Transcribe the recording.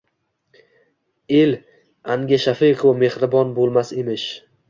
El anga shafiqu mehribon bo‘lmas emish.